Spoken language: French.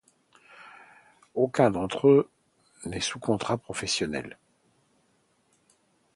Aucun d'entre eux n'est sous contrat professionnel.